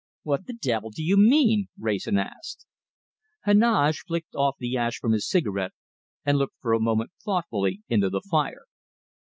"What the devil do you mean?" Wrayson asked. Heneage flicked off the ash from his cigarette, and looked for a moment thoughtfully into the fire.